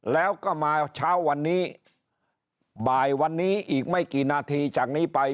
แล้วก็มาเช้าวันนี้บ่ายวันนี้อีกไม่กี่นาทีจากนี้ไป